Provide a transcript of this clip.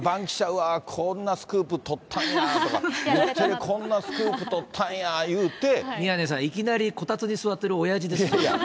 うわー、こんなスクープ取ったんやとか、日テレ、こんなスクープ取ったん宮根さん、いきなりこたつに座ってるおやじですよ。